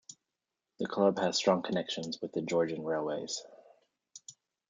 The club has strong connections with the Georgian Railways.